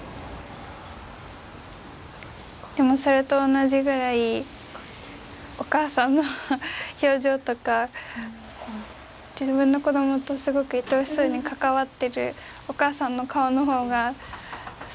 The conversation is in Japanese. でもそれと同じぐらいお母さんの表情とか自分の子どもとすごくいとおしそうに関わっているお母さんの顔のほうがすごく和んだ。